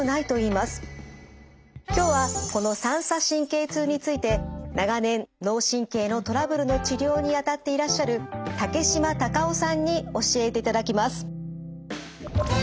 今日はこの三叉神経痛について長年脳神経のトラブルの治療にあたっていらっしゃる竹島多賀夫さんに教えていただきます。